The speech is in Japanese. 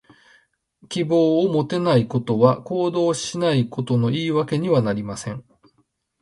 希望を持てないことは、行動しないことの言い訳にはなりません。